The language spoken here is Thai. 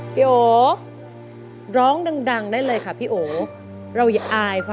พี่โอ้มีแล้วค่ะ